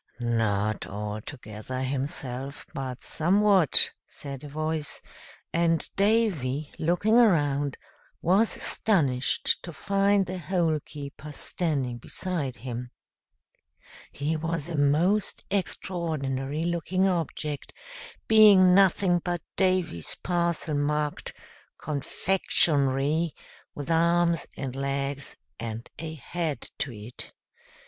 "Not altogether himself, but somewhat," said a voice; and Davy, looking around, was astonished to find the Hole keeper standing beside him. He was a most extraordinary looking object, being nothing but Davy's parcel marked, "CONFEXIONRY," with arms and legs and a head to it.